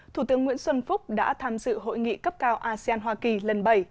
thủ tướng nguyễn xuân phúc đã tham dự hội nghị cấp cao asean hoa kỳ lần bảy